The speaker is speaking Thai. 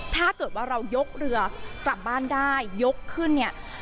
ถ้าเกิดว่าเรายกเรือกลับบ้านได้ยกขึ้นเนี่ย